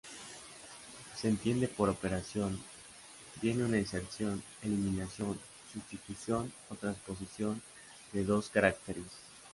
Se entiende por operación, bien una inserción, eliminación, sustitución o transposición de dos caracteres.